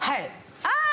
ああ